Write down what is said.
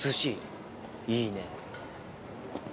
いいね。